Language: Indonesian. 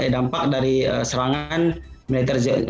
dampak dari serangan militer